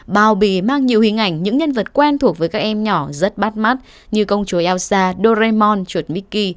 bào bì mang nhiều hình ảnh những nhân vật quen thuộc với các em nhỏ rất bắt mắt như công chúa elsa doraemon chuột mickey